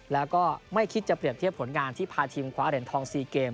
แล้วก็ไม่คิดจะเปรียบเทียบผลงานที่พาทีมคว้าเหรียญทอง๔เกม